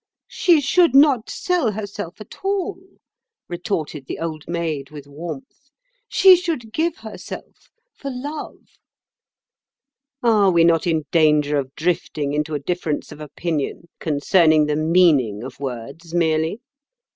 "She should not sell herself at all," retorted the Old Maid, with warmth. "She should give herself, for love." "Are we not in danger of drifting into a difference of opinion concerning the meaning of words merely?"